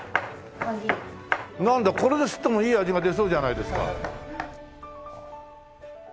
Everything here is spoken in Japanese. なんだこれで摺ってもいい味が出そうじゃないですか。